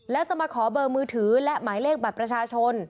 แล้วจะมาขอเบอร์มือถือและหมายเลขบัตรประชาชน